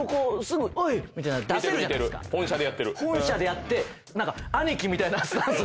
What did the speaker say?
本社でやって何か兄貴みたいなスタンスで。